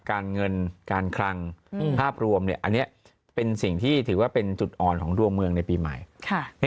การเงินการคลังภาพรวมอันนี้เป็นสิ่งที่ถือว่าเป็นจุดอ่อนของดวงเมืองในปีใหม่